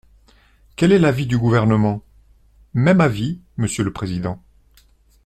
Quel est l’avis du Gouvernement ? Même avis, monsieur le président.